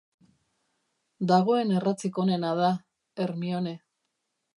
Dagoen erratzik onena da, Hermione.